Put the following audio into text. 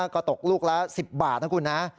ก็ตกลูกละ๑๐บาทนะคุณนะ